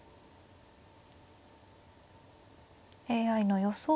ＡＩの予想